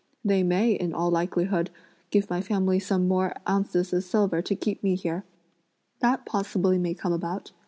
They may, in all likelihood, give my family some more ounces of silver to keep me here; that possibly may come about.